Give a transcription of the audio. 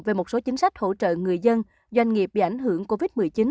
về một số chính sách hỗ trợ người dân doanh nghiệp bị ảnh hưởng covid một mươi chín